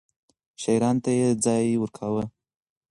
شاعرانو ته يې ځای ورکاوه.